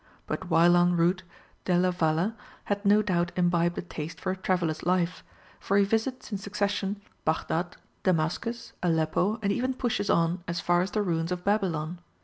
But while en route, Delia Valle had no doubt imbibed a taste for a traveller's life, for he visits in succession Baghdad, Damascus, Aleppo, and even pushes on as far as the ruins of Babylon.